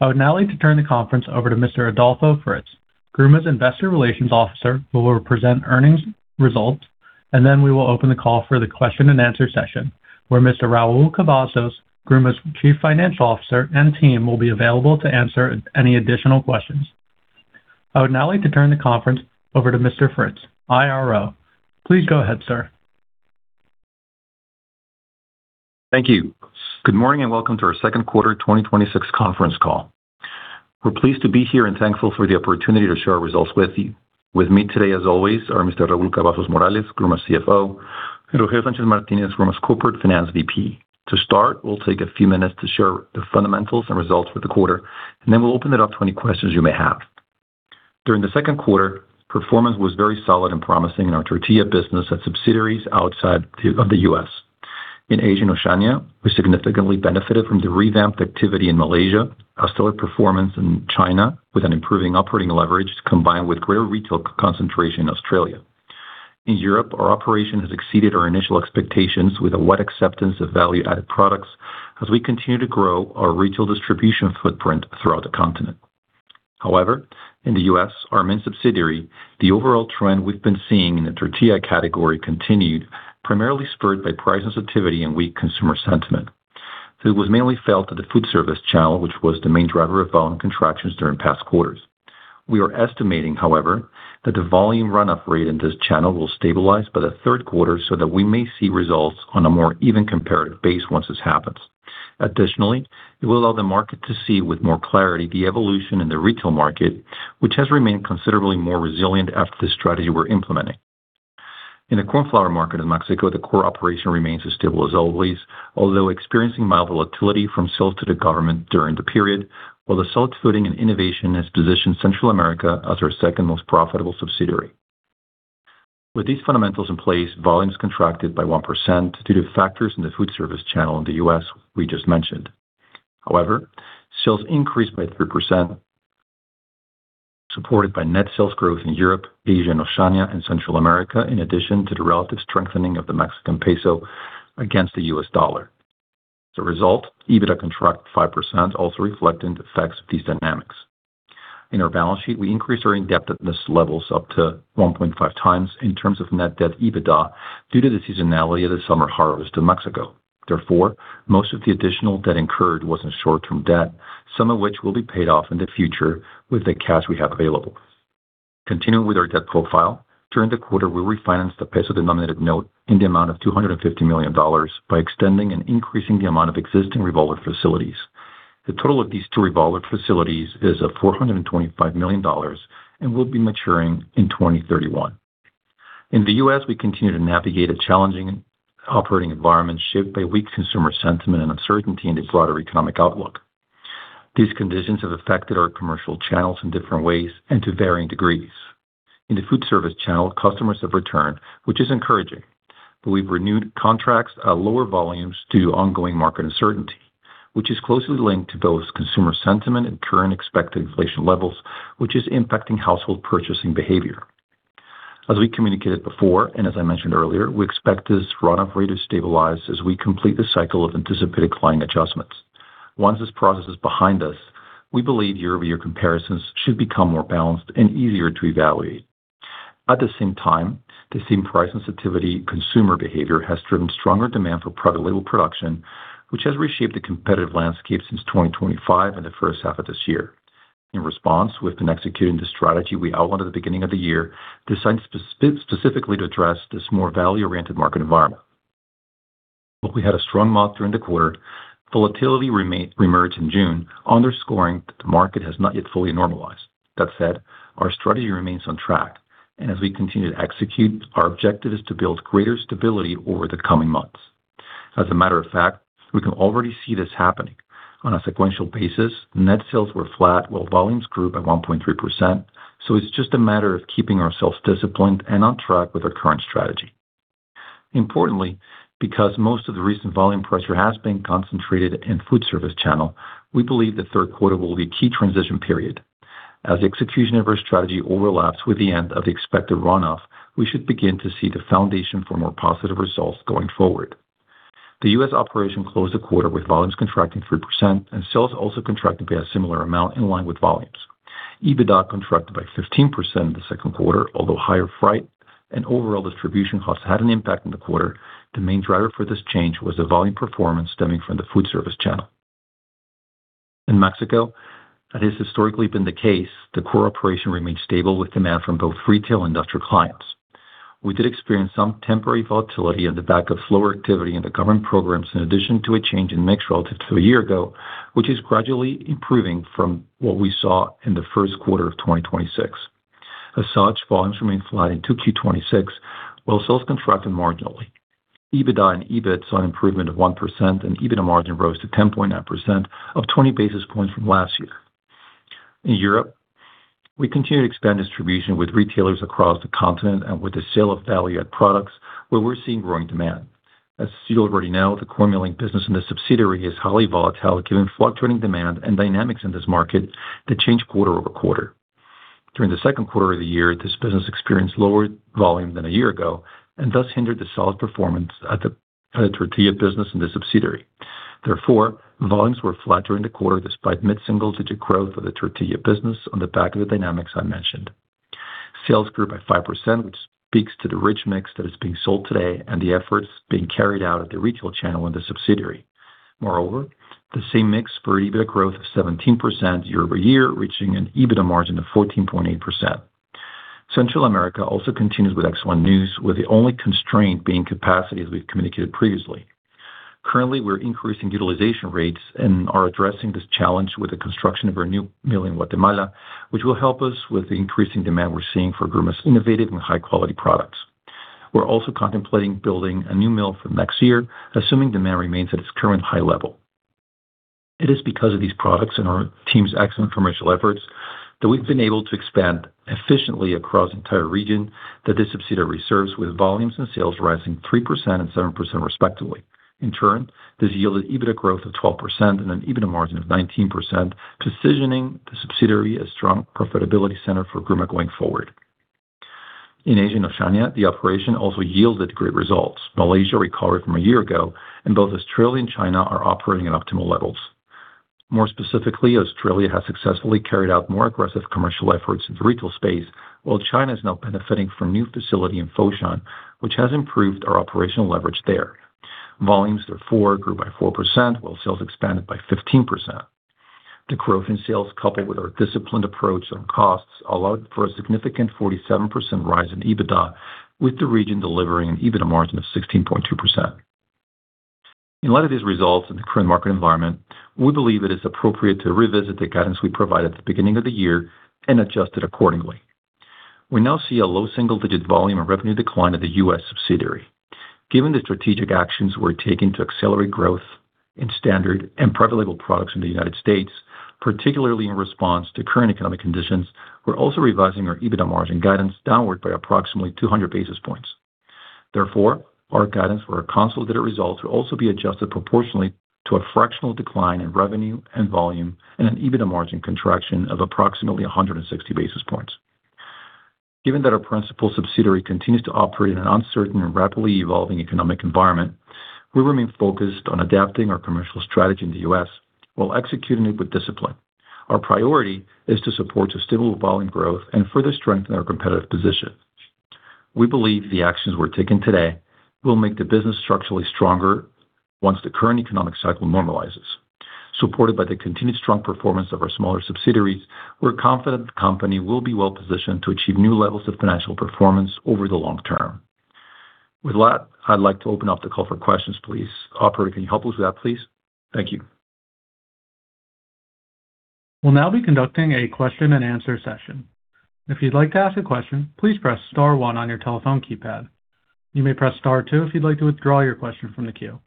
I would now like to turn the conference over to Mr. Adolfo Fritz, Gruma's Investor Relations Officer, who will present earnings results, and then we will open the call for the question-and-answer session, where Mr. Raúl Cavazos, Gruma's Chief Financial Officer, and team will be available to answer any additional questions. I would now like to turn the conference over to Mr. Fritz, IRO. Please go ahead, sir. Thank you. Good morning and welcome to our second quarter 2026 conference call. We are pleased to be here and thankful for the opportunity to share our results with you. With me today, as always, are Mr. Raúl Cavazos Morales, Gruma's CFO, and Rogelio Sánchez Martínez, Gruma's Corporate Finance VP. To start, we will take a few minutes to share the fundamentals and results for the quarter, and then we will open it up to any questions you may have. During the second quarter, performance was very solid and promising in our tortilla business at subsidiaries outside of the U.S. In Asia and Oceania, we significantly benefited from the revamped activity in Malaysia, a stellar performance in China with an improving operating leverage combined with greater retail concentration in Australia. In Europe, our operation has exceeded our initial expectations with a wide acceptance of value-added products as we continue to grow our retail distribution footprint throughout the continent. However, in the U.S., our main subsidiary, the overall trend we have been seeing in the tortilla category continued, primarily spurred by price sensitivity and weak consumer sentiment. It was mainly felt at the food service channel, which was the main driver of volume contractions during past quarters. We are estimating, however, that the volume runoff rate in this channel will stabilize by the third quarter so that we may see results on a more even comparative base once this happens. Additionally, it will allow the market to see with more clarity the evolution in the retail market, which has remained considerably more resilient after the strategy we are implementing. In the corn flour market in Mexico, the core operation remains as stable as always, although experiencing mild volatility from sales to the government during the period, while the solid footing and innovation has positioned Central America as our second-most profitable subsidiary. With these fundamentals in place, volumes contracted by 1% due to factors in the food service channel in the U.S. we just mentioned. However, sales increased by 3%, supported by net sales growth in Europe, Asia, and Oceania, and Central America, in addition to the relative strengthening of the Mexican peso against the U.S. dollar. As a result, EBITDA contracted 5%, also reflecting the effects of these dynamics. In our balance sheet, we increased our indebtedness levels up to 1.5x in terms of Net Debt/EBITDA due to the seasonality of the summer harvest in Mexico. Therefore, most of the additional debt incurred was in short-term debt, some of which will be paid off in the future with the cash we have available. Continuing with our debt profile, during the quarter, we refinanced the peso-denominated note in the amount of $250 million by extending and increasing the amount of existing revolver facilities. The total of these two revolver facilities is $425 million and will be maturing in 2031. In the U.S., we continue to navigate a challenging operating environment shaped by weak consumer sentiment and uncertainty in the broader economic outlook. These conditions have affected our commercial channels in different ways and to varying degrees. In the food service channel, customers have returned, which is encouraging. We've renewed contracts at lower volumes due to ongoing market uncertainty, which is closely linked to both consumer sentiment and current expected inflation levels, which is impacting household purchasing behavior. As we communicated before, and as I mentioned earlier, we expect this runoff rate to stabilize as we complete the cycle of anticipated client adjustments. Once this process is behind us, we believe year-over-year comparisons should become more balanced and easier to evaluate. At the same time, the same price sensitivity consumer behavior has driven stronger demand for private label production, which has reshaped the competitive landscape since 2025 and the first half of this year. In response, we've been executing the strategy we outlined at the beginning of the year, designed specifically to address this more value-oriented market environment. While we had a strong month during the quarter, volatility reemerged in June, underscoring that the market has not yet fully normalized. That said, our strategy remains on track, and as we continue to execute, our objective is to build greater stability over the coming months. As a matter of fact, we can already see this happening. On a sequential basis, net sales were flat, while volumes grew by 1.3%, so it's just a matter of keeping ourselves disciplined and on track with our current strategy. Importantly, because most of the recent volume pressure has been concentrated in food service channel, we believe the third quarter will be a key transition period. As execution of our strategy overlaps with the end of the expected runoff, we should begin to see the foundation for more positive results going forward. The U.S. operation closed the quarter with volumes contracting 3% and sales also contracting by a similar amount in line with volumes. EBITDA contracted by 15% in the second quarter, although higher freight and overall distribution costs had an impact on the quarter. The main driver for this change was the volume performance stemming from the food service channel. In Mexico, as has historically been the case, the core operation remained stable with demand from both retail and industrial clients. We did experience some temporary volatility on the back of slower activity in the government programs in addition to a change in mix relative to a year ago, which is gradually improving from what we saw in the first quarter of 2026. As such, volumes remained flat in 2Q 2026, while sales contracted marginally. EBITDA and EBIT saw an improvement of 1%, EBITDA margin rose to 10.9%, up 20 basis points from last year. In Europe, we continue to expand distribution with retailers across the continent and with the sale of value-add products where we're seeing growing demand. As you already know, the corn milling business in this subsidiary is highly volatile, given fluctuating demand and dynamics in this market that change quarter-over-quarter. During the second quarter of the year, this business experienced lower volume than a year ago and thus hindered the solid performance at the tortilla business in the subsidiary. Volumes were flat during the quarter, despite mid-single-digit growth of the tortilla business on the back of the dynamics I mentioned. Sales grew by 5%, which speaks to the rich mix that is being sold today and the efforts being carried out at the retail channel in the subsidiary. Moreover, the same mix for EBITDA growth of 17% year-over-year, reaching an EBITDA margin of 14.8%. Central America also continues with excellent news, with the only constraint being capacity, as we've communicated previously. Currently, we're increasing utilization rates and are addressing this challenge with the construction of our new mill in Guatemala, which will help us with the increasing demand we're seeing for Gruma's innovative and high-quality products. We're also contemplating building a new mill for next year, assuming demand remains at its current high level. It is because of these products and our team's excellent commercial efforts that we've been able to expand efficiently across the entire region that this subsidiary serves, with volumes and sales rising 3% and 7% respectively. In turn, this yielded EBITDA growth of 12% and an EBITDA margin of 19%, positioning the subsidiary a strong profitability center for Gruma going forward. In Asia and Oceania, the operation also yielded great results. Malaysia recovered from a year ago, and both Australia and China are operating at optimal levels. More specifically, Australia has successfully carried out more aggressive commercial efforts in the retail space, while China is now benefiting from a new facility in Foshan, which has improved our operational leverage there. Volumes grew by 4%, while sales expanded by 15%. The growth in sales, coupled with our disciplined approach on costs, allowed for a significant 47% rise in EBITDA, with the region delivering an EBITDA margin of 16.2%. In light of these results in the current market environment, we believe it is appropriate to revisit the guidance we provided at the beginning of the year and adjust it accordingly. We now see a low single-digit volume and revenue decline of the U.S. subsidiary. Given the strategic actions we're taking to accelerate growth in standard and private label products in the United States, particularly in response to current economic conditions, we're also revising our EBITDA margin guidance downward by approximately 200 basis points. Therefore, our guidance for our consolidated results will also be adjusted proportionally to a fractional decline in revenue and volume and an EBITDA margin contraction of approximately 160 basis points. Given that our principal subsidiary continues to operate in an uncertain and rapidly evolving economic environment, we remain focused on adapting our commercial strategy in the U.S. while executing it with discipline. Our priority is to support a stable volume growth and further strengthen our competitive position. We believe the actions we're taking today will make the business structurally stronger once the current economic cycle normalizes. Supported by the continued strong performance of our smaller subsidiaries, we're confident the company will be well-positioned to achieve new levels of financial performance over the long-term. With that, I'd like to open up the call for questions, please. Operator, can you help us with that, please? Thank you. We'll now be conducting a question-and-answer session. If you'd like to ask a question, please press star one on your telephone keypad. You may press star two if you'd like to withdraw your question from the queue.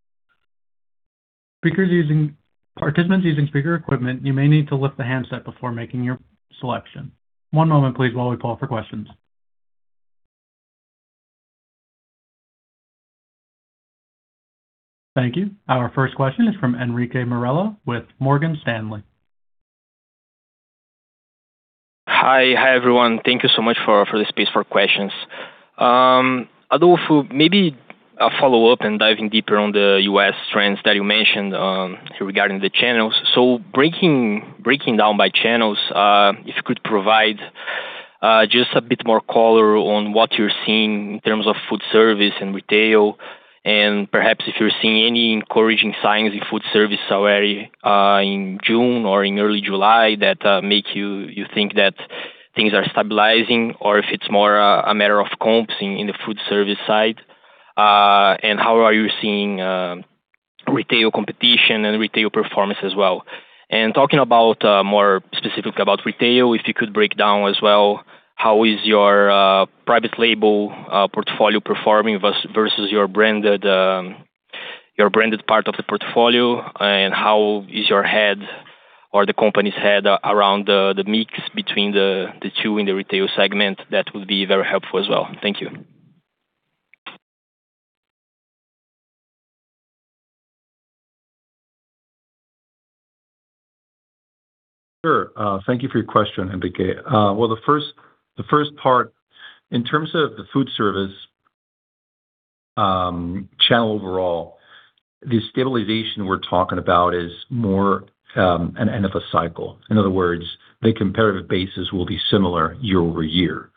Participants using speaker equipment, you may need to lift the handset before making your selection. One moment, please, while we call for questions. Thank you. Our first question is from Henrique Morello with Morgan Stanley. Hi, everyone. Thank you so much for the space for questions. Adolfo, maybe a follow-up and diving deeper on the U.S. trends that you mentioned regarding the channels. Breaking down by channels, if you could provide just a bit more color on what you're seeing in terms of food service and retail, and perhaps if you're seeing any encouraging signs in food service already in June or in early July that make you think that things are stabilizing, or if it's more a matter of comps in the food service side. How are you seeing retail competition and retail performance as well? Talking more specifically about retail, if you could break down as well how is your private label portfolio performing versus your branded part of the portfolio, and how is your head or the company's head around the mix between the two in the retail segment? That would be very helpful as well. Thank you. Thank you for your question, Henrique. The first part, in terms of the food service channel overall, the stabilization we're talking about is more an end of a cycle. In other words, the comparative basis will be similar year-over-year.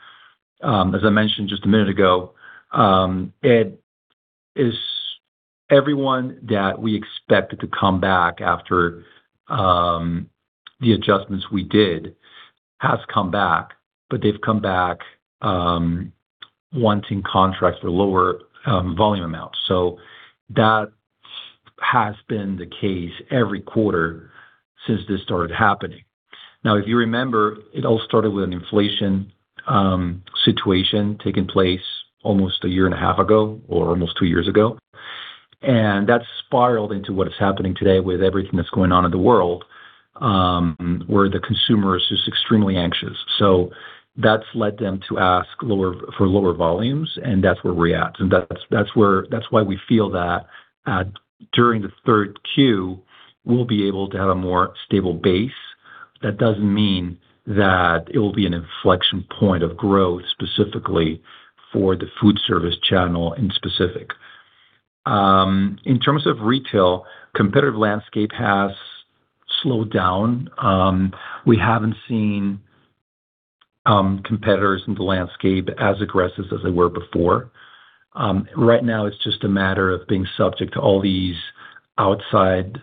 As I mentioned just a minute ago, everyone that we expected to come back after the adjustments we did has come back, but they've come back wanting contracts for lower volume amounts. That has been the case every quarter since this started happening. If you remember, it all started with an inflation situation taking place almost a year and a half ago, or almost two years ago, and that spiraled into what is happening today with everything that's going on in the world, where the consumer is just extremely anxious. That's led them to ask for lower volumes, and that's where we're at. That's why we feel that during the third Q, we'll be able to have a more stable base. That doesn't mean that it will be an inflection point of growth, specifically for the food service channel in specific. In terms of retail, competitive landscape has slowed down. We haven't seen competitors in the landscape as aggressive as they were before. Right now it's just a matter of being subject to all these outside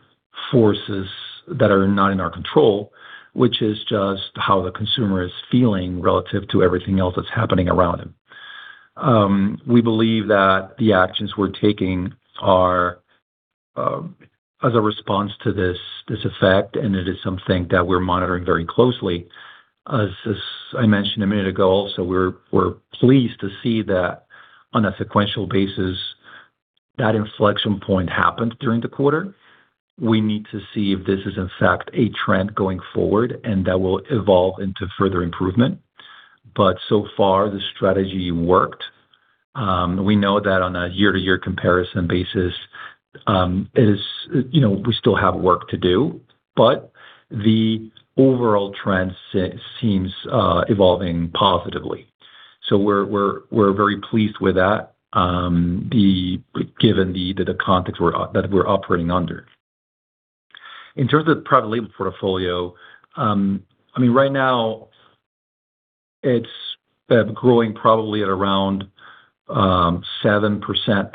forces that are not in our control, which is just how the consumer is feeling relative to everything else that's happening around them. We believe that the actions we're taking are as a response to this effect, and it is something that we're monitoring very closely. As I mentioned a minute ago also, we're pleased to see that on a sequential basis, that inflection point happened during the quarter. We need to see if this is in fact a trend going forward and that will evolve into further improvement. So far, the strategy worked. We know that on a year-over-year comparison basis, we still have work to do, but the overall trend seems evolving positively. We're very pleased with that given the context that we're operating under. In terms of private label portfolio, right now it's growing probably at around 7%.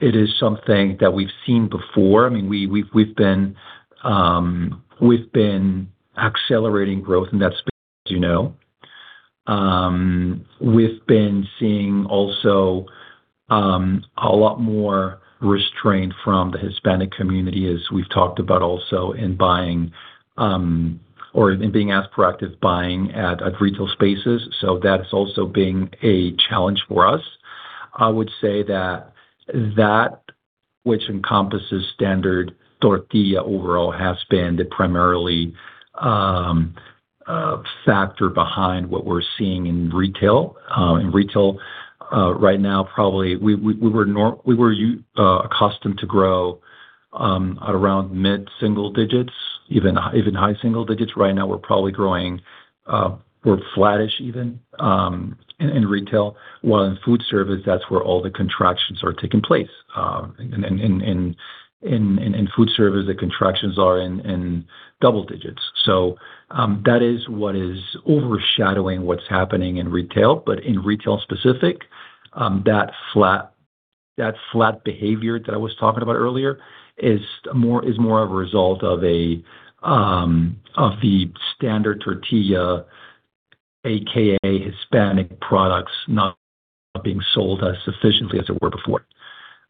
It is something that we've seen before. We've been accelerating growth in that space, as you know. We've been seeing also a lot more restraint from the Hispanic community, as we've talked about also, in being as proactive buying at retail spaces. That's also been a challenge for us. I would say that that which encompasses standard tortilla overall has been the primary factor behind what we're seeing in retail. In retail right now, probably we were accustomed to grow at around mid-single-digits, even high single digits. Right now we're probably growing, we're flattish even in retail. While in food service, that's where all the contractions are taking place. In food service, the contractions are in double-digits. That is what is overshadowing what's happening in retail. In retail specific, that flat behavior that I was talking about earlier is more of a result of the standard tortilla, AKA Hispanic products not being sold as sufficiently as they were before.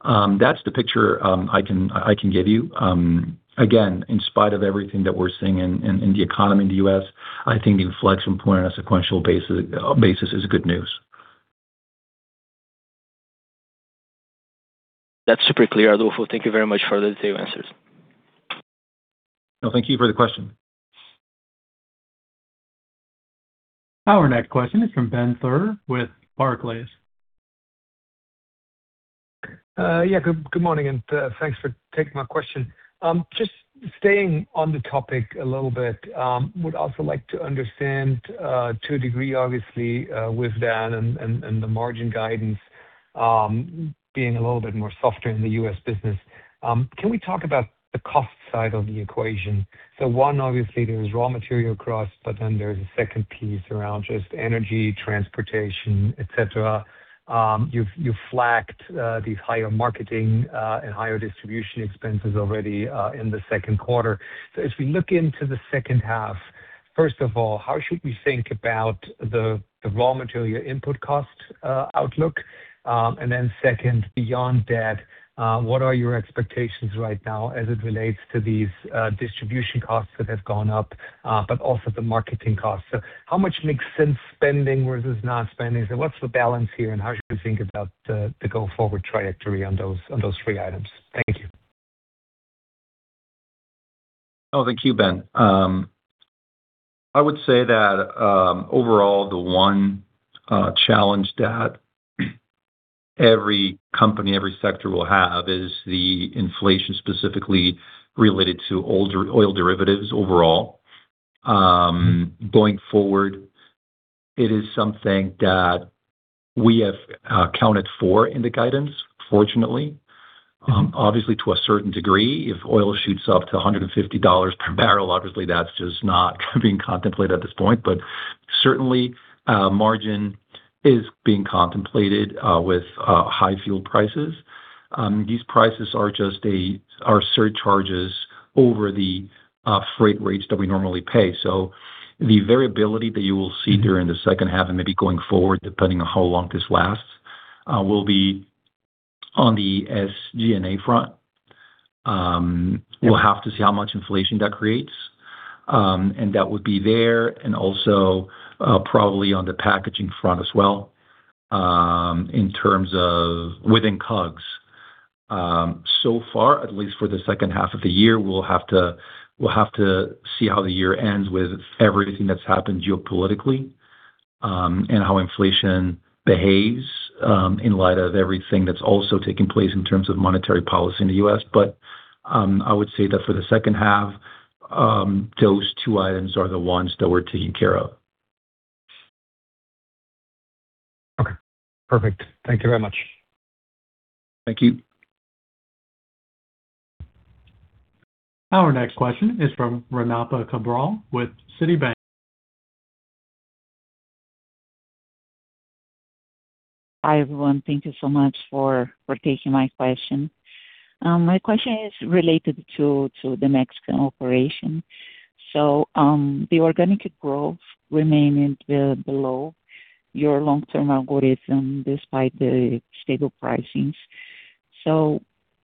That's the picture I can give you. Again, in spite of everything that we're seeing in the economy in the U.S., I think inflection point on a sequential basis is good news. That's super clear, Adolfo. Thank you very much for those answers. No, thank you for the question. Our next question is from Ben Theurer with Barclays. Good morning. Thanks for taking my question. Just staying on the topic a little bit, would also like to understand to a degree, obviously, with that and the margin guidance being a little bit more softer in the U.S. business, can we talk about the cost side of the equation? One, obviously there is raw material cost, but then there's a second piece around just energy, transportation, et cetera. You've flagged these higher marketing and higher distribution expenses already in the second quarter. As we look into the second half, first of all, how should we think about the raw material input cost outlook? Second, beyond that, what are your expectations right now as it relates to these distribution costs that have gone up, but also the marketing costs? How much makes sense spending versus not spending? What's the balance here, and how should we think about the go-forward trajectory on those three items? Thank you. Thank you, Ben. I would say that overall, the one challenge that every company, every sector will have is the inflation specifically related to oil derivatives overall. Going forward, it is something that we have accounted for in the guidance, fortunately. Obviously, to a certain degree, if oil shoots up to $150 per barrel, obviously that's just not being contemplated at this point. Certainly, margin is being contemplated with high fuel prices. These prices are surcharges over the freight rates that we normally pay. The variability that you will see during the second half and maybe going forward, depending on how long this lasts, will be on the SG&A front. We'll have to see how much inflation that creates, and that would be there and also probably on the packaging front as well, in terms of within COGS. Far, at least for the second half of the year, we'll have to see how the year ends with everything that's happened geopolitically How inflation behaves in light of everything that's also taking place in terms of monetary policy in the U.S. I would say that for the second half, those two items are the ones that we're taking care of. Perfect. Thank you very much. Thank you. Our next question is from Renata Cabral with Citibank. Hi, everyone. Thank you so much for taking my question. My question is related to the Mexican operation. The organic growth remaining below your long-term algorithm despite the stable pricings.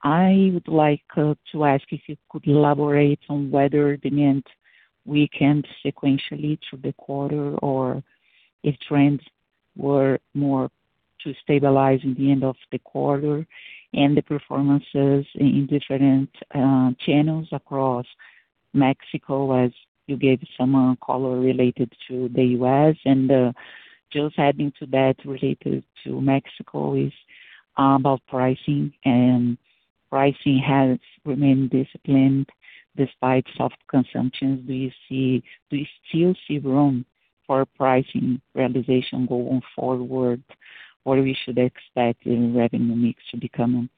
I would like to ask if you could elaborate on whether demand weakened sequentially through the quarter or if trends were more to stabilize in the end of the quarter and the performances in different channels across Mexico as you gave some color related to the U.S. and just adding to that related to Mexico is about pricing and pricing has remained disciplined despite soft consumption. Do you still see room for pricing realization going forward? Or we should expect the revenue mix to become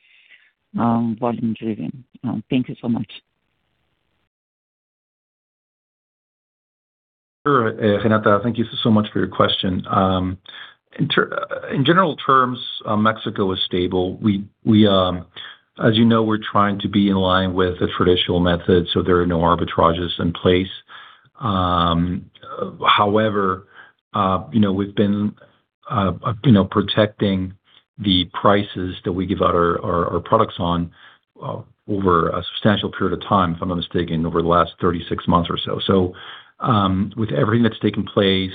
volume-driven? Thank you so much. Sure, Renata, thank you so much for your question. In general terms, Mexico is stable. As you know, we're trying to be in line with the traditional method, there are no arbitrages in place. However, we've been protecting the prices that we give our products on over a substantial period of time, if I'm not mistaken, over the last 36 months or so. With everything that's taken place,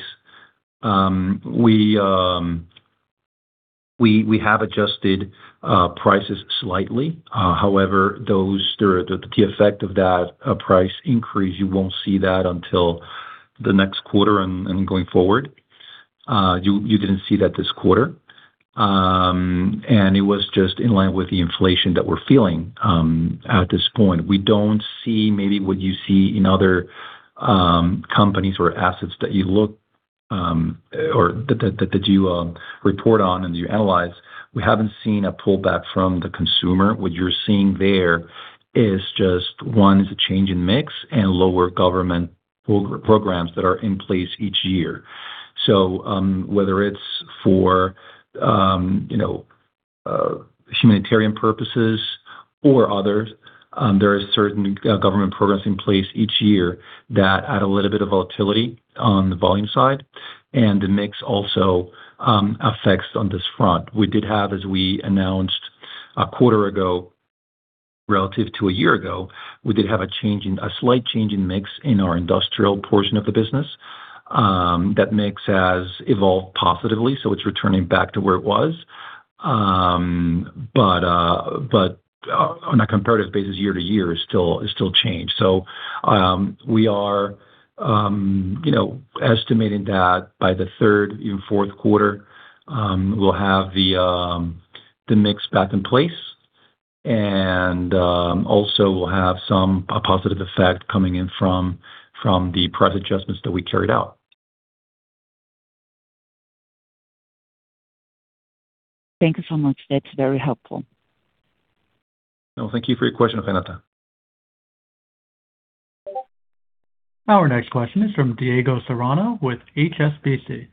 we have adjusted prices slightly. However, the effect of that price increase, you won't see that until the next quarter and going forward. You didn't see that this quarter. It was just in line with the inflation that we're feeling at this point. We don't see maybe what you see in other companies or assets that you report on and you analyze. We haven't seen a pullback from the consumer. What you're seeing there is just one is a change in mix and lower government programs that are in place each year. Whether it's for humanitarian purposes or others, there are certain government programs in place each year that add a little bit of volatility on the volume side and the mix also affects on this front. We did have, as we announced a quarter ago, relative to a year ago, we did have a slight change in mix in our industrial portion of the business. That mix has evolved positively, so it's returning back to where it was. On a comparative basis, year-over-year is still changed. We are estimating that by the third, even fourth quarter, we'll have the mix back in place and also we'll have some positive effect coming in from the price adjustments that we carried out. Thank you so much. That's very helpful. Thank you for your question, Renata. Our next question is from Diego Serrano with HSBC.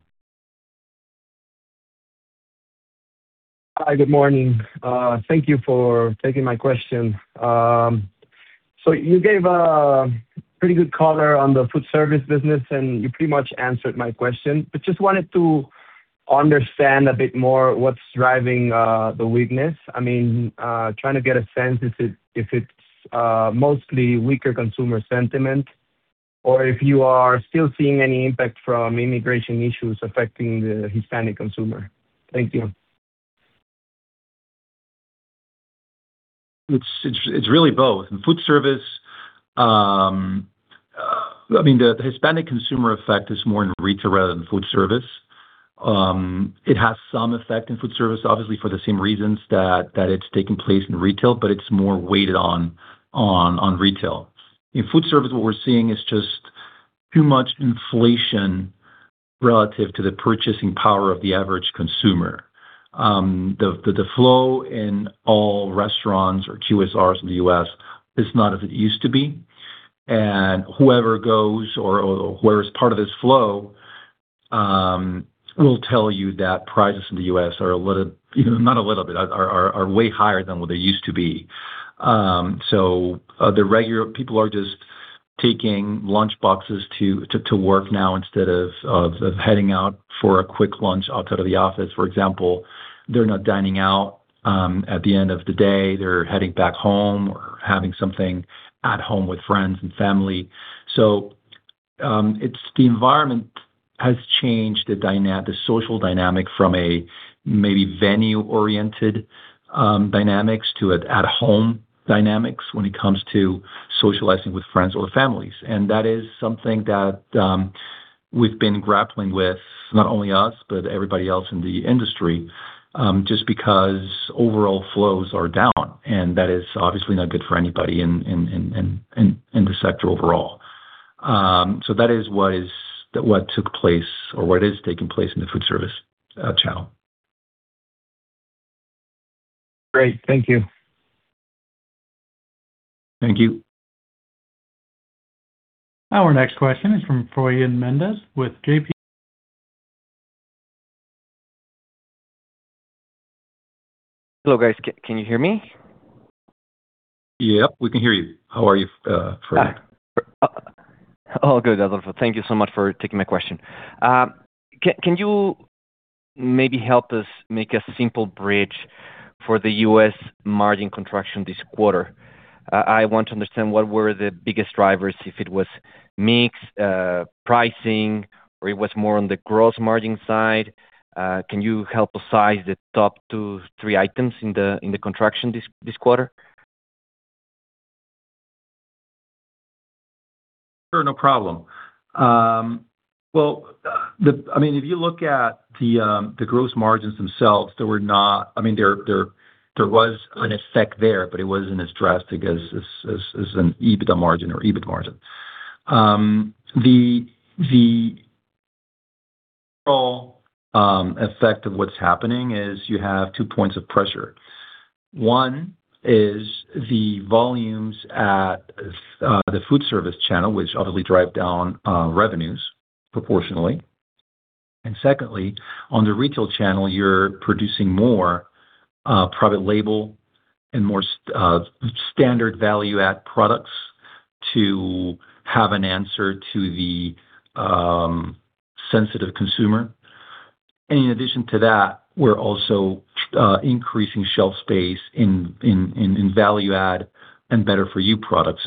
Hi, good morning. Thank you for taking my question. You gave a pretty good color on the food service business, and you pretty much answered my question, but just wanted to understand a bit more what's driving the weakness. Trying to get a sense if it's mostly weaker consumer sentiment or if you are still seeing any impact from immigration issues affecting the Hispanic consumer. Thank you. It's really both. In food service, the Hispanic consumer effect is more in retail rather than food service. It has some effect in food service, obviously, for the same reasons that it's taken place in retail, but it's more weighted on retail. In food service, what we're seeing is just too much inflation relative to the purchasing power of the average consumer. The flow in all restaurants or QSRs in the U.S. is not as it used to be, and whoever goes or whoever is part of this flow will tell you that prices in the U.S. are way higher than what they used to be. The regular people are just taking lunchboxes to work now instead of heading out for a quick lunch outside of the office. For example, they're not dining out at the end of the day. They're heading back home or having something at home with friends and family. The environment has changed the social dynamic from a maybe venue-oriented dynamics to at home dynamics when it comes to socializing with friends or families. That is something that We've been grappling with, not only us, but everybody else in the industry, just because overall flows are down, and that is obviously not good for anybody in the sector overall. That is what took place or what is taking place in the food service channel. Great. Thank you. Thank you. Our next question is from Froylan Mendez with JPMorgan. Hello, guys. Can you hear me? Yes, we can hear you. How are you, Froylan? All good, Adolfo. Thank you so much for taking my question. Can you maybe help us make a simple bridge for the U.S. margin contraction this quarter? I want to understand what were the biggest drivers, if it was mix pricing or it was more on the gross margin side. Can you help us size the top two, three items in the contraction this quarter? Sure. No problem. If you look at the gross margins themselves, there was an effect there, but it wasn't as drastic as an EBITDA margin or EBIT margin. The overall effect of what's happening is you have two points of pressure. One is the volumes at the food service channel, which obviously drive down revenues proportionally. Secondly, on the retail channel, you're producing more private label and more standard value-add products to have an answer to the sensitive consumer. In addition to that, we're also increasing shelf space in value-add and better-for-you products.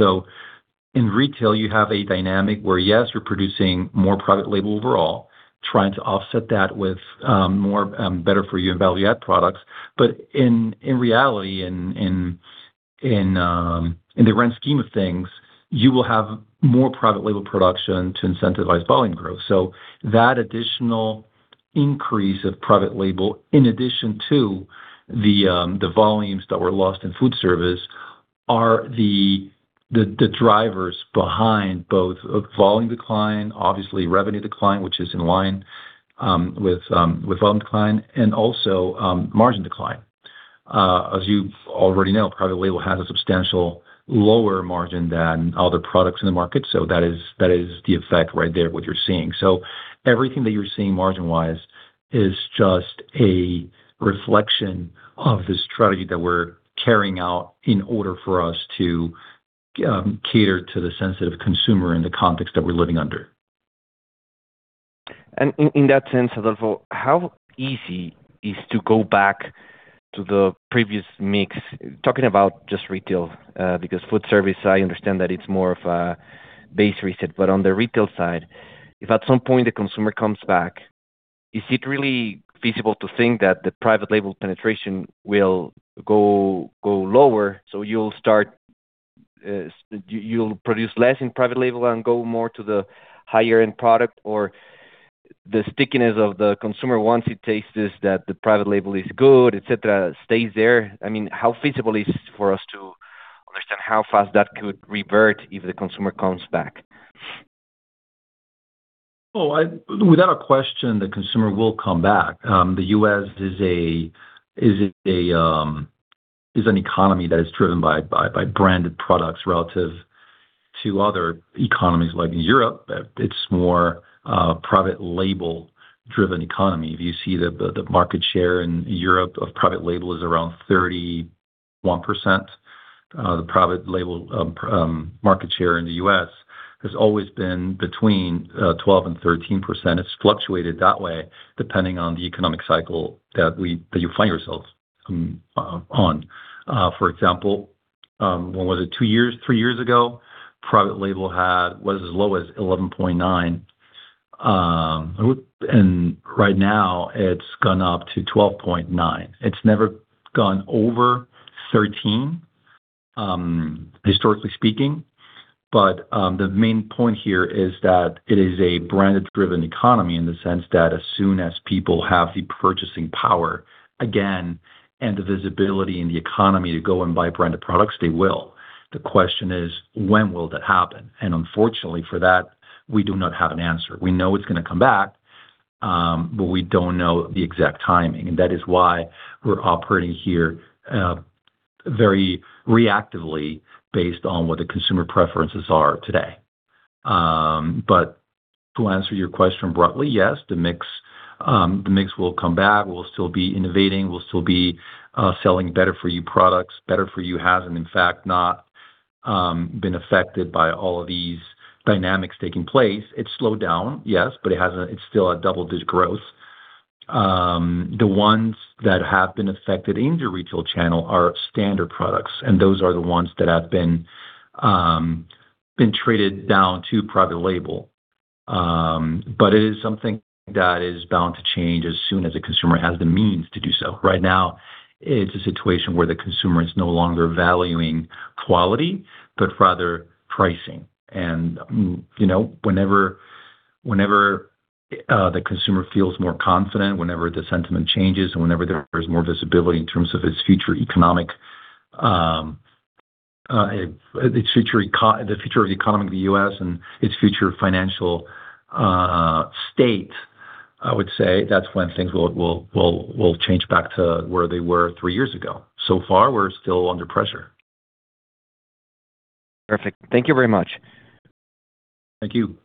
In retail, you have a dynamic where, yes, you're producing more private label overall, trying to offset that with more better-for-you and value-add products. In reality, in the grand scheme of things, you will have more private label production to incentivize volume growth. That additional increase of private label, in addition to the volumes that were lost in food service, are the drivers behind both volume decline, obviously revenue decline, which is in line with volume decline, and also margin decline. As you already know, private label has a substantially lower margin than other products in the market. That is the effect right there, what you're seeing. Everything that you're seeing margin-wise is just a reflection of the strategy that we're carrying out in order for us to cater to the sensitive consumer in the context that we're living under. In that sense, Adolfo, how easy is it to go back to the previous mix, talking about just retail, because food service, I understand that it's more of a base reset. On the retail side, if at some point the consumer comes back, is it really feasible to think that the private label penetration will go lower? You'll produce less in private label and go more to the higher-end product? The stickiness of the consumer, once it tastes that the private label is good, et cetera, stays there. How feasible is it for us to understand how fast that could revert if the consumer comes back? Without a question, the consumer will come back. The U.S. is an economy that is driven by branded products relative to other economies like Europe, it's a more private label-driven economy. If you see the market share in Europe of private label is around 31%. The private label market share in the U.S. has always been between 12% and 13%. It's fluctuated that way depending on the economic cycle that you find yourself on. For example, what was it, two years, three years ago, private label was as low as 11.9%, and right now it's gone up to 12.9%. It's never gone over 13%, historically speaking. The main point here is that it is a branded-driven economy in the sense that as soon as people have the purchasing power again and the visibility in the economy to go and buy branded products, they will. The question is, when will that happen? Unfortunately for that, we do not have an answer. We know it's going to come back, but we don't know the exact timing, and that is why we're operating here very reactively based on what the consumer preferences are today. To answer your question broadly, yes, the mix will come back. We'll still be innovating. We'll still be selling better-for-you products. better-for-you has, in fact, not been affected by all of these dynamics taking place. It's slowed down, yes, but it's still a double-digit growth. The ones that have been affected in the retail channel are standard products, and those are the ones that have been traded down to private label. It is something that is bound to change as soon as the consumer has the means to do so. Right now, it's a situation where the consumer is no longer valuing quality, but rather pricing. Whenever the consumer feels more confident, whenever the sentiment changes, and whenever there is more visibility in terms of the future of the economy of the U.S. and its future financial state, I would say that's when things will change back to where they were three years ago. So far, we're still under pressure. Perfect. Thank you very much. Thank you.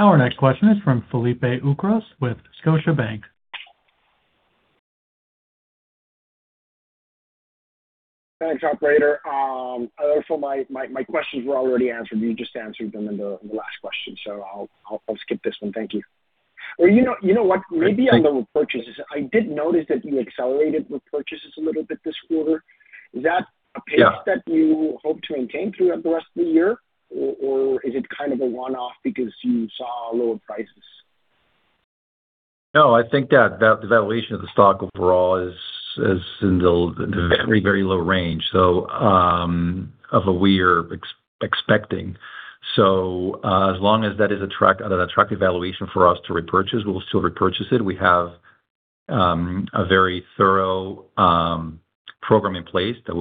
Our next question is from Felipe Ucros with Scotiabank. Thanks, operator. Adolfo, my questions were already answered. You just answered them in the last question, so I'll skip this one. Thank you. You know what? Maybe on the repurchases. I did notice that you accelerated repurchases a little bit this quarter. Is that a pace- Yeah that you hope to maintain throughout the rest of the year, or is it a one-off because you saw lower prices? No, I think that the valuation of the stock overall is in the very low range of what we are expecting. As long as that is an attractive valuation for us to repurchase, we will still repurchase it. We have a very thorough program in place that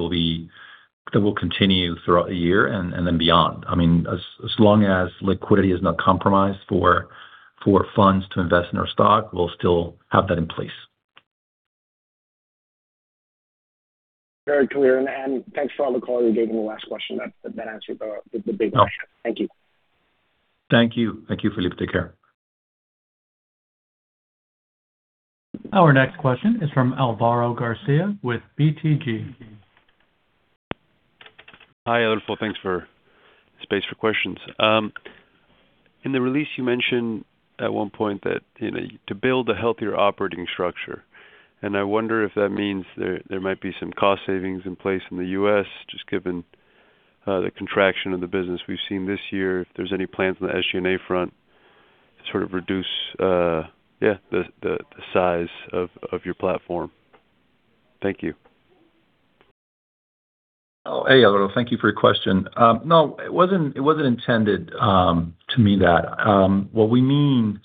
will continue throughout the year and then beyond. As long as liquidity is not compromised for funds to invest in our stock, we'll still have that in place. Very clear. Thanks for all the color you gave me in the last question. That answered the big question. No. Thank you. Thank you, Felipe. Take care. Our next question is from Alvaro Garcia with BTG. Hi, Adolfo. Thanks for space for questions. In the release, you mentioned at one point that to build a healthier operating structure. I wonder if that means there might be some cost savings in place in the U.S., just given the contraction of the business we've seen this year. If there's any plans on the SG&A front to sort of reduce the size of your platform? Thank you. Hey, Alvaro. Thank you for your question. No, it wasn't intended to mean that. What we mean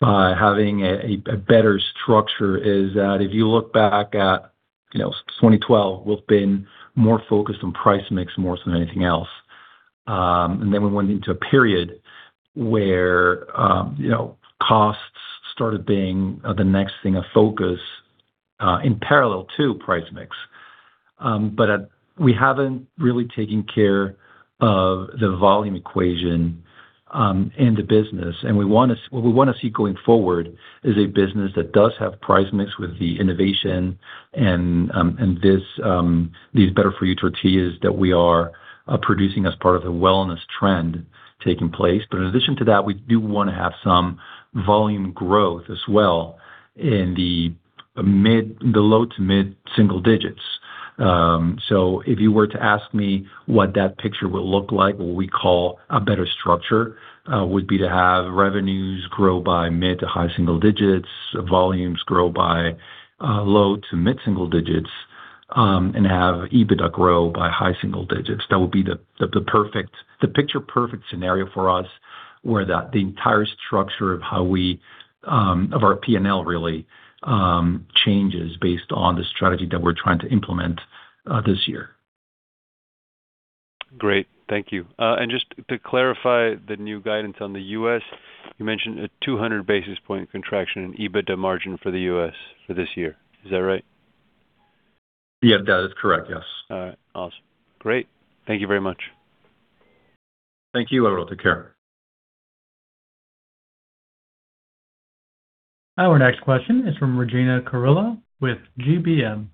by having a better structure is that if you look back at 2012, we've been more focused on price mix more than anything else. Then we went into a period where costs started being the next thing of focus in parallel to price mix. We haven't really taken care of the volume equation in the business, and what we want to see going forward is a business that does have price mix with the innovation and these better-for-you tortillas that we are producing as part of the wellness trend taking place. In addition to that, we do want to have some volume growth as well in the low to mid-single-digits. If you were to ask me what that picture would look like, what we call a better structure, would be to have revenues grow by mid to high single-digits, volumes grow by low to mid-single-digits, and have EBITDA grow by high single-digits. That would be the picture-perfect scenario for us, where the entire structure of our P&L really changes based on the strategy that we're trying to implement this year. Great. Thank you. Just to clarify the new guidance on the U.S., you mentioned a 200 basis points contraction in EBITDA margin for the U.S. for this year. Is that right? Yep. That is correct, yes. All right. Awesome. Great. Thank you very much. Thank you, Alvaro. Take care. Our next question is from Regina Carrillo with GBM.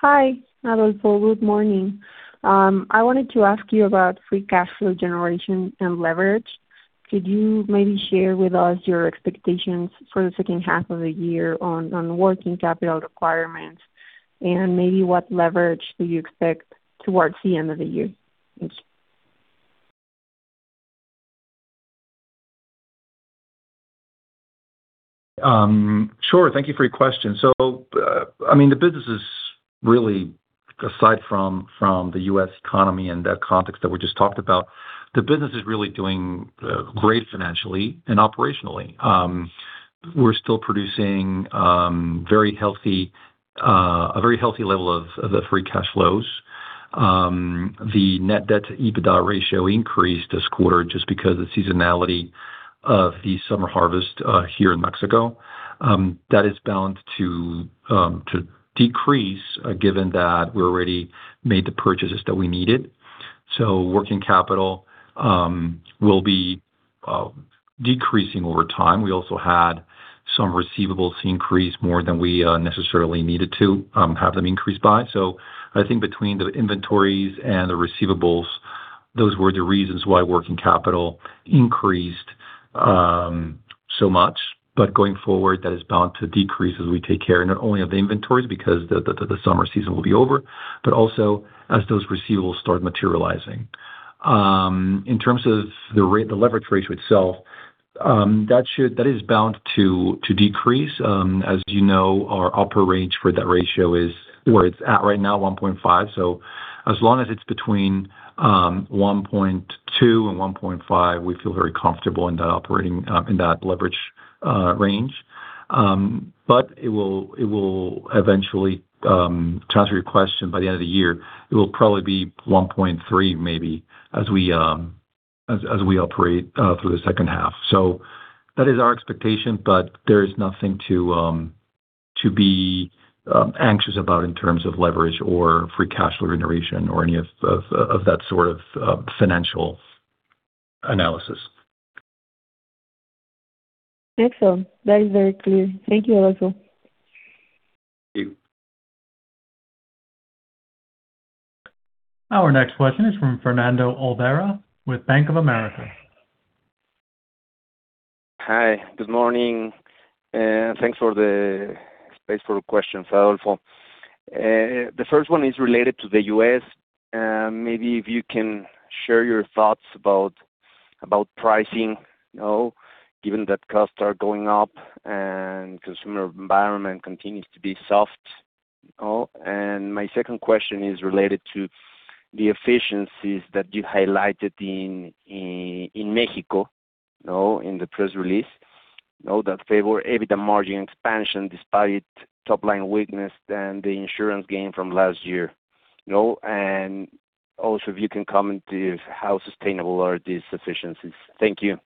Hi, Adolfo. Good morning. I wanted to ask you about free cash flow generation and leverage. Could you maybe share with us your expectations for the second half of the year on working capital requirements and maybe what leverage do you expect towards the end of the year? Thanks. Sure. Thank you for your question. The business is really, aside from the U.S. economy and the context that we just talked about, the business is really doing great financially and operationally. We're still producing a very healthy level of the free cash flows. The net debt EBITDA ratio increased this quarter just because of the seasonality of the summer harvest here in Mexico. That is bound to decrease, given that we already made the purchases that we needed. Working capital will be decreasing over time. We also had some receivables increase more than we necessarily needed to have them increase by. I think between the inventories and the receivables, those were the reasons why working capital increased so much. Going forward, that is bound to decrease as we take care not only of the inventories because the summer season will be over, but also as those receivables start materializing. In terms of the leverage ratio itself, that is bound to decrease. As you know, our upper range for that ratio is where it's at right now, 1.5. As long as it's between 1.2 and 1.5, we feel very comfortable in that leverage range. It will eventually, to answer your question, by the end of the year, it will probably be 1.3, maybe, as we operate through the second half. That is our expectation, but there is nothing to be anxious about in terms of leverage or free cash flow generation or any of that sort of financial analysis. Excellent. That is very clear. Thank you, Adolfo. Thank you. Our next question is from Fernando Olvera with Bank of America. Hi, good morning. Thanks for the space for questions, Adolfo. The first one is related to the U.S. Maybe if you can share your thoughts about pricing. Given that costs are going up and consumer environment continues to be soft. My second question is related to the efficiencies that you highlighted in Mexico in the press release, that favor EBITDA margin expansion despite top-line weakness and the insurance gain from last year. Also, if you can comment to how sustainable are these efficiencies. Thank you.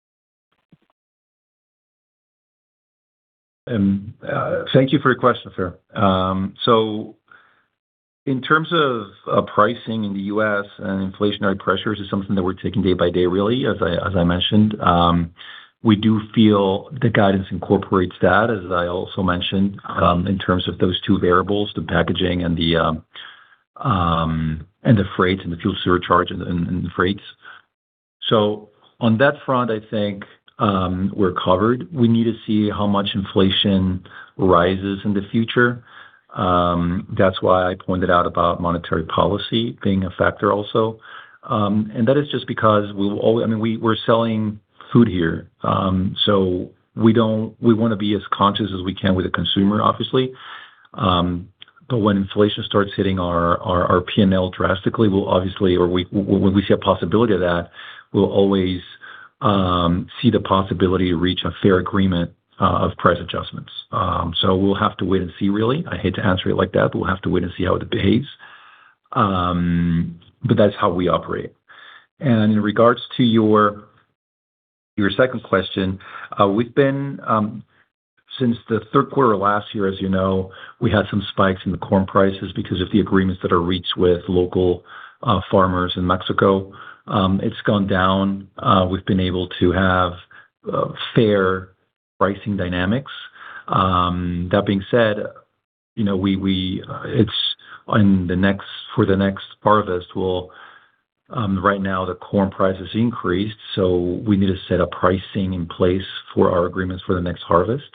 Thank you for your question. In terms of pricing in the U.S. and inflationary pressures is something that we're taking day by day, really, as I mentioned. We do feel the guidance incorporates that, as I also mentioned, in terms of those two variables, the packaging and the freight and the fuel surcharge and the freights. On that front, I think we're covered. We need to see how much inflation rises in the future. That's why I pointed out about monetary policy being a factor also. That is just because we're selling food here. We want to be as conscious as we can with the consumer, obviously. When inflation starts hitting our P&L drastically, or when we see a possibility of that, we'll always see the possibility to reach a fair agreement of price adjustments. We'll have to wait and see, really. I hate to answer it like that, we'll have to wait and see how it behaves. That's how we operate. In regards to your second question, since the third quarter of last year, as you know, we had some spikes in the corn prices because of the agreements that are reached with local farmers in Mexico. It's gone down. We've been able to have fair pricing dynamics. That being said, for the next harvest, right now, the corn prices increased, we need to set a pricing in place for our agreements for the next harvest.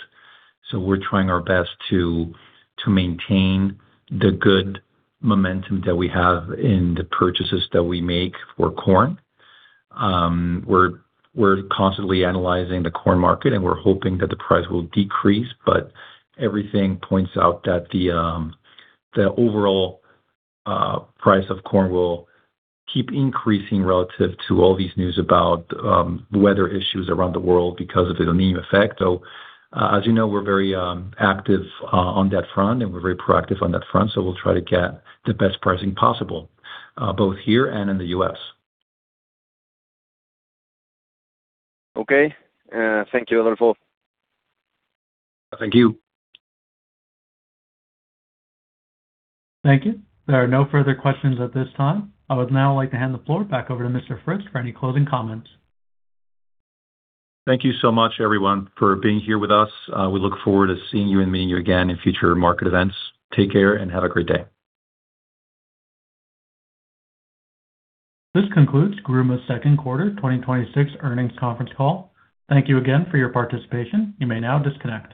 We're trying our best to maintain the good momentum that we have in the purchases that we make for corn. We're constantly analyzing the corn market, we're hoping that the price will decrease, everything points out that the overall price of corn will keep increasing relative to all these news about the weather issues around the world because of the La Niña effect. As you know, we're very active on that front, we're very proactive on that front. We'll try to get the best pricing possible both here and in the U.S. Okay. Thank you, Adolfo. Thank you. Thank you. There are no further questions at this time. I would now like to hand the floor back over to Mr. Fritz for any closing comments. Thank you so much, everyone, for being here with us. We look forward to seeing you and meeting you again in future market events. Take care and have a great day. This concludes Gruma's second quarter 2026 earnings conference call. Thank you again for your participation. You may now disconnect.